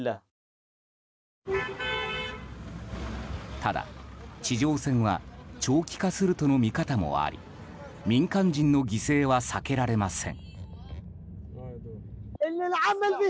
ただ、地上戦は長期化するとの見方もあり民間人の犠牲は避けられません。